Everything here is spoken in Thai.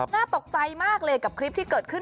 น่าตกใจมากเลยกับคลิปที่เกิดขึ้น